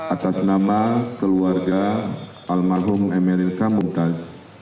atas nama keluarga al mahum emelkan mumtaz